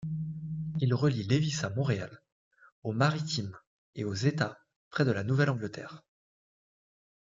Il relie Lévis à Montréal, aux Maritimes et aux États près de la Nouvelle-Angleterre.